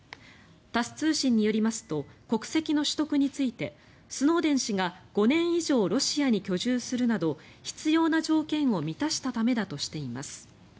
タス通信によりますと国籍の取得についてスノーデン氏が５年以上ロシアに居住するなど必要な条件を満たしたためだとしています。